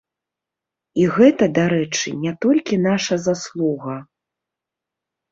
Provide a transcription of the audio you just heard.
І гэта, дарэчы, не толькі нашая заслуга.